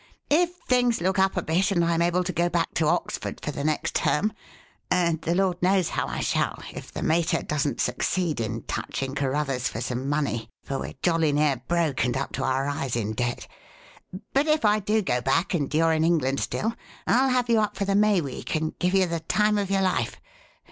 "If things look up a bit and I'm able to go back to Oxford for the next term (and the Lord knows how I shall, if the mater doesn't succeed in 'touching' Carruthers for some money for we're jolly near broke and up to our eyes in debt), but if I do go back and you're in England still, I'll have you up for the May week and give you the time of your life.